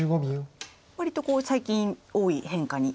割と最近多い変化に。